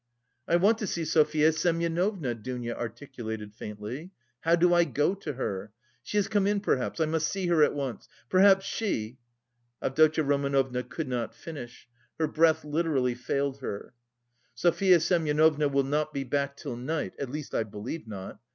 "I want to see Sofya Semyonovna," Dounia articulated faintly. "How do I go to her? She has come in, perhaps. I must see her at once. Perhaps she..." Avdotya Romanovna could not finish. Her breath literally failed her. "Sofya Semyonovna will not be back till night, at least I believe not.